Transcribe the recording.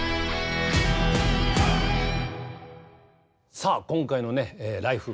さあ今回のね「ＬＩＦＥ！